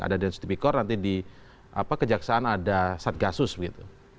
ada dance tipikor nanti di kejaksaan ada satgasus begitu